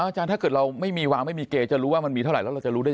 จะรู้ว่ามันมีเท่าไหร่แล้วแล้วจะรู้